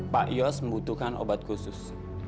pak yos membutuhkan obat khusus